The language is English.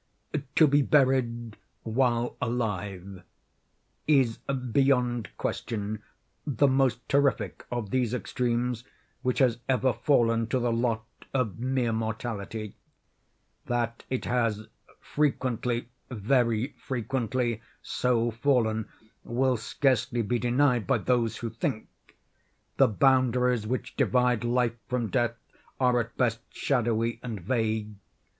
To be buried while alive is, beyond question, the most terrific of these extremes which has ever fallen to the lot of mere mortality. That it has frequently, very frequently, so fallen will scarcely be denied by those who think. The boundaries which divide Life from Death are at best shadowy and vague.